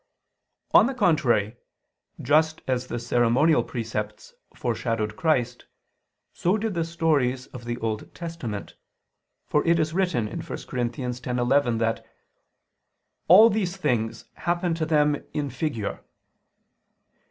On the contrary, Just as the ceremonial precepts foreshadowed Christ, so did the stories of the Old Testament: for it is written (1 Cor. 10:11) that "all (these things) happened to them in figure."